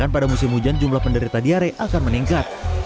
pada musim hujan jumlah penderita diare akan meningkat